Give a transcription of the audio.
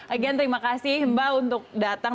agen terima kasih mbak untuk datang